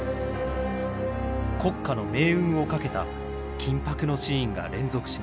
国家の命運を懸けた緊迫のシーンが連続します。